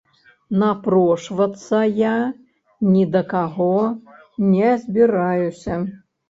Напрошвацца я ні да каго не збіраюся.